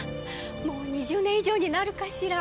もう２０年以上になるかしら。